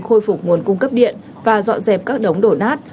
khôi phục nguồn cung cấp điện và dọn dẹp các đống đổ nát